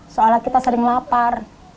soalnya kita sering lapar